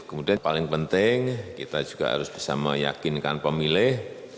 kemudian paling penting kita juga harus bisa meyakinkan pemilih